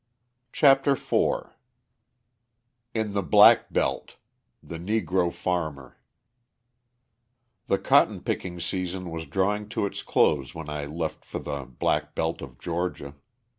CHAPTER IV IN THE BLACK BELT: THE NEGRO FARMER The cotton picking season was drawing to its close when I left for the black belt of Georgia.